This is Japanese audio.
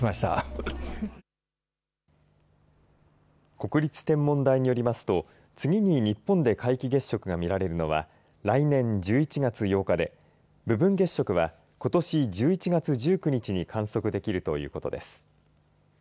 国立天文台によりますと次に日本で皆既月食が見られるのは来年１１月８日で部分月食はことし１１月１９日に観測できるということです。